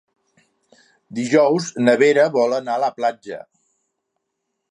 Dijous na Vera vol anar a la platja.